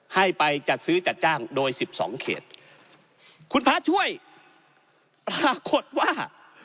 ให้ไปจัดซื้อจัดจ้างโดยสิบสองเขตคุณพระช่วยปรากฏว่า